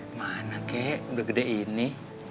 kemana kek udah gede ini